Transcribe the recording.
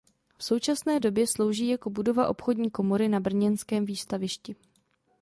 V současné době slouží jako budova obchodní komory na brněnském výstavišti.